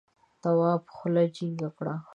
تواب خوله جینگه کړه.